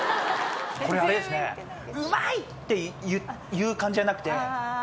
これあれですね「うまい！」っていう感じじゃなくて。